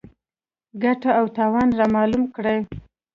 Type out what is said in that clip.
ګټه او تاوان رامعلوم کړي.